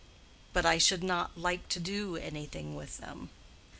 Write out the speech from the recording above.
"But I should not like to do anything with them."